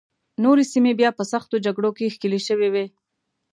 نورې سیمې بیا په سختو جګړو کې ښکېلې شوې وې.